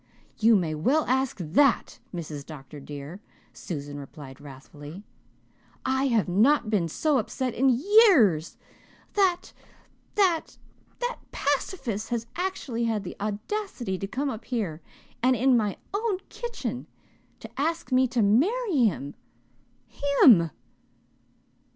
"You may well ask that, Mrs. Dr. dear," Susan replied wrathfully. "I have not been so upset in years. That that that pacifist has actually had the audacity to come up here and, in my own kitchen, to ask me to marry him. HIM!"